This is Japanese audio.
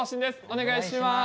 お願いします。